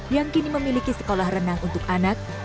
yang kini memiliki sekolah renang untuk anak